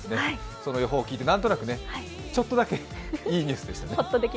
その予報を聞いて、何となくちょっとだけいいニュースです。